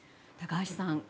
高橋さん